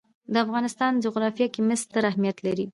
د افغانستان جغرافیه کې مس ستر اهمیت لري.